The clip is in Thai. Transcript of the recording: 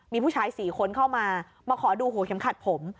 มีผู้ชาย๔คนเข้ามามาขอดูหัวเข็มขัดผม